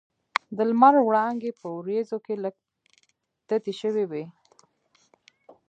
د لمر وړانګې په وریځو کې لږ تتې شوې وې.